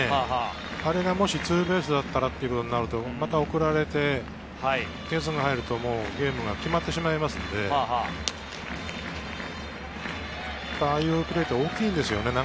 あれがもしツーベースだったらっていうことになると、また送られて点数が入るともうゲームが決まってしまいますので、ああいうプレーは大きいんですよね。